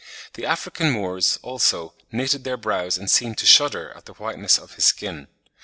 The African Moors, also, "knitted their brows and seemed to shudder" at the whiteness of his skin.